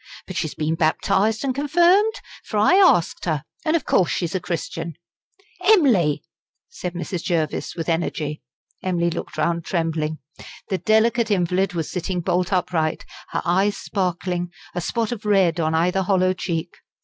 But she's been baptised and confirmed, for I asked her. And of course she's a Christian." "Em'ly!" said Mrs. Jervis, with energy. Emily looked round trembling. The delicate invalid was sitting bolt upright, her eyes sparkling, a spot of red on either hollow cheek.